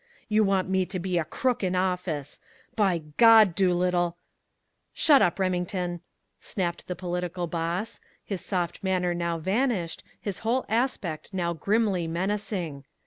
You want me to be a crook in office! By God, Doolittle " "Shut up, Remington," snapped the political boss, his soft manner now vanished, his whole aspect now grimly menacing.